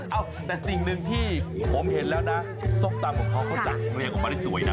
เอ้าแต่สิ่งหนึ่งที่ผมเห็นแล้วนะส้มตำของเขาเขาจัดเรียงออกมาได้สวยนะ